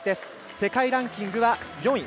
世界ランキングは４位。